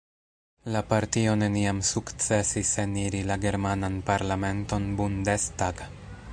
La partio neniam sukcesis eniri la germanan parlamenton Bundestag.